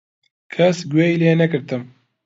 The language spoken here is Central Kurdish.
کەس گوێی لێنەگرتم.